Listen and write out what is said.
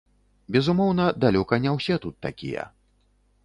Безумоўна, далёка не ўсе тут такія.